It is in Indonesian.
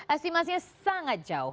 estimasinya sangat jauh